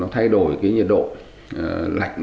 thay đổi nhiệt độ lạnh